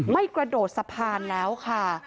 กระโดดสะพานแล้วค่ะ